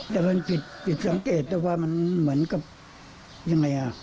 จังหวันปิดสังเกตอะไรฟะมันก็เหมือนที่เยี่ยมอย่างไรล่ะ